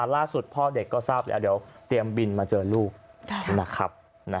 ล่าสุดพ่อเด็กก็ทราบแล้วเดี๋ยวเตรียมบินมาเจอลูกนะครับ